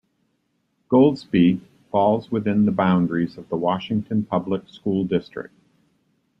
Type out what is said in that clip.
Goldsby falls within the boundaries of the Washington public school district.